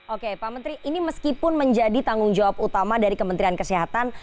oke pak menteri ini meskipun menjadi tanggung jawab utama dari kementerian kesehatan